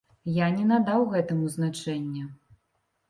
Я не надаў гэтаму значэння.